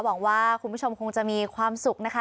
หวังว่าคุณผู้ชมคงจะมีความสุขนะคะ